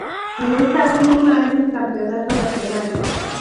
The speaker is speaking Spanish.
En esta última hay un campeonato nacional.